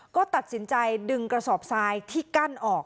ก็ตัดสินใจดึงกระสอบทรายที่กั้นออก